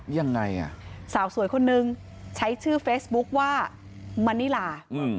ยังไงอ่ะสาวสวยคนนึงใช้ชื่อเฟซบุ๊คว่ามณิลา